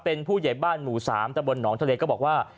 เป็นผู้ใหญ่บ้านหมู่๓ตะบนหนองทะเลก็บอกว่า